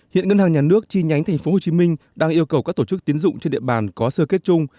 hiện ngân hàng nhà nước chi nhánh tp hcm đang yêu cầu các tổ chức tiến dụng trên địa bàn có sơ kết chung